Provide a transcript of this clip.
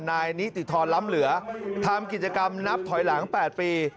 นายนิติธรล้ำเหลือทำกิจกรรมนับถอยหลัง๘ปี